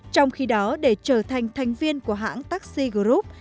trong khi đó để trở thành thành viên của hãng taxi group